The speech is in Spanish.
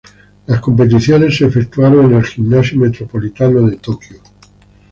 Las competiciones se efectuaron en el Gimnasio Metropolitano de Tokio.